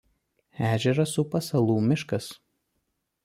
Ežerą supa Salų miškas.